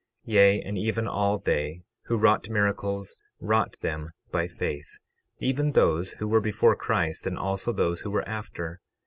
12:16 Yea, and even all they who wrought miracles wrought them by faith, even those who were before Christ and also those who were after.